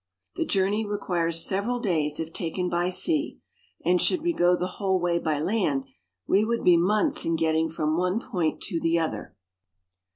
The journey requires several days if taken by sea ; and should we go the whole way by land, we would be months in getting from one point to the other.